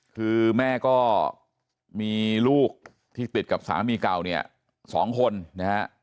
คือแม่ก็มีลูกที่ติดกับสามีเก่าเนี่ย๒คนนะฮะ